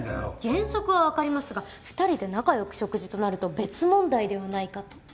原則はわかりますが２人で仲良く食事となると別問題ではないかと。